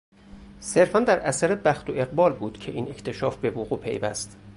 صرفا در اثر بخت و اقبال بود که این اکتشاف به وقوع پیوست.